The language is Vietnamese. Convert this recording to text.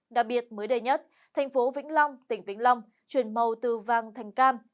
đặc biệt mới đây nhất thành phố vĩnh long tỉnh vĩnh long chuyển màu từ vàng thành cam